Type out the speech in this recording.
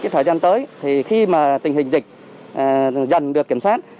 thời gian tới khi tình hình dịch dần được kiểm soát